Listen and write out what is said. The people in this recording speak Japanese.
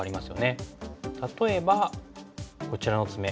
例えばこちらのツメ。